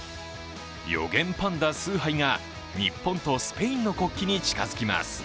予言パンダ、スーハイが日本とスペインの国旗に近づきます。